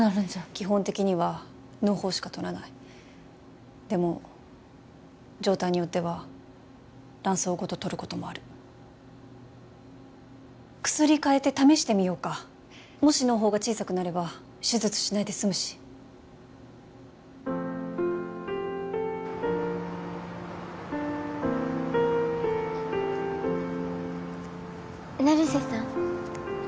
基本的にはのう胞しか取らないでも状態によっては卵巣ごと取ることもある薬変えて試してみようかもしのう胞が小さくなれば手術しないで済むし成瀬さん